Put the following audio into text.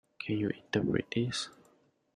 Can you interpret this?